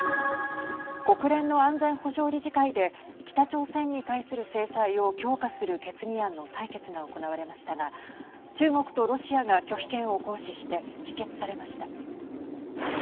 国連の安全保障理事会で北朝鮮に対する制裁を強化する決議案の採決が行われましたが中国とロシアが拒否権を行使して否決されました。